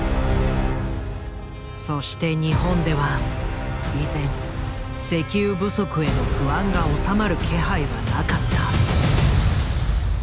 そして日本では依然石油不足への不安が収まる気配はなかった。